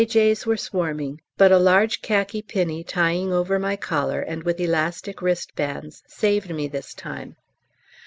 J.'s were swarming, but a large khaki pinny tying over my collar, and with elastic wristbands, saved me this time.